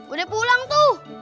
udah pulang tuh